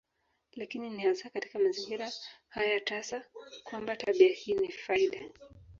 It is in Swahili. Lakini ni hasa katika mazingira haya tasa kwamba tabia hii ni faida.